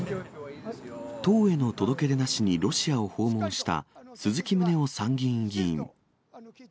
党への届け出なしにロシアを訪問した鈴木宗男参議院議員。